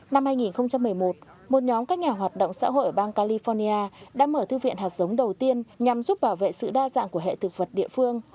năm hai nghìn một mươi một một nhóm các nhà hoạt động xã hội ở bang california đã mở thư viện hạt giống đầu tiên nhằm giúp bảo vệ sự đa dạng của hệ thực vật địa phương